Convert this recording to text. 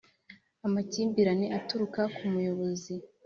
amakimbirane aturuka ku muyobozi